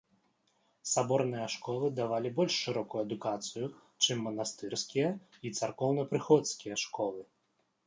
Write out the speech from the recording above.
Саборныя школы давалі больш шырокую адукацыю, чым манастырскія і царкоўнапрыходскія школы.